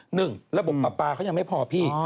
หนึ่งระบบปลาปลาเขายังไม่พอพี่